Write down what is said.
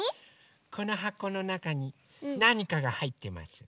このはこのなかになにかがはいってます。